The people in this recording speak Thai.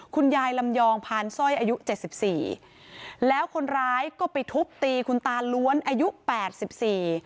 คุณยายลำยองพานสร้อยอายุเจ็ดสิบสี่แล้วคนร้ายก็ไปทุบตีคุณตาล้วนอายุแปดสิบสี่